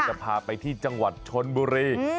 จะพาไปที่จังหวัดชนบุรี